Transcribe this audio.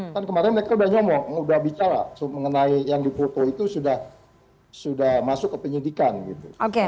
kan kemarin mereka sudah ngomong udah bicara mengenai yang dipukul itu sudah masuk ke penyidikan gitu